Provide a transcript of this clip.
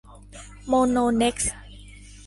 โมโน เน็กซ์